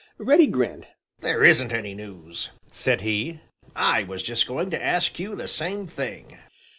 Reddy grinned. "There isn't any news," said he. "I was just going to ask you the same thing."